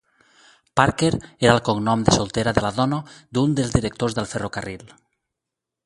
Parker era el cognom de soltera de la dona d'un dels directors del ferrocarril.